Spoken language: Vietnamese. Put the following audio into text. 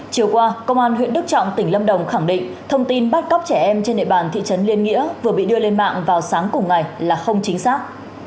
chiều qua công an huyện đức trọng tỉnh lâm đồng khẳng định thông tin bắt cóc trẻ em trên địa bàn thị trấn liên nghĩa vừa bị đưa lên mạng vào sáng cùng ngày là không chính xác